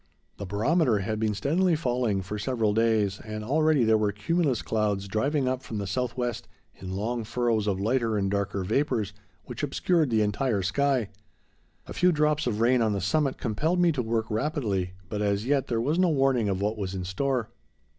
The barometer had been steadily falling for several days, and already there were cumulus clouds driving up from the southwest in long furrows of lighter and darker vapors, which obscured the entire sky. A few drops of rain on the summit compelled me to work rapidly, but, as yet, there was no warning of what was in store.